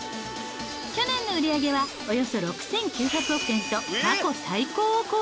去年の売り上げはおよそ６９００億円と過去最高を更新。